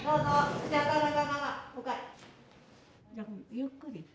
ゆっくり。